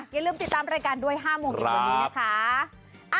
อย่าลืมติดตามรายการด้วย๕โมงเย็นวันนี้นะคะ